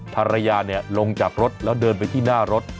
ภรรยาลงจากรถแล้วเดินไปที่หน้ารถ